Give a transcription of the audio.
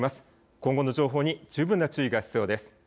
今後の情報に十分な注意が必要です。